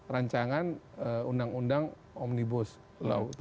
rancangan undang undang omnibus law